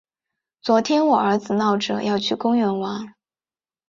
昨天我儿子闹着要去公园玩。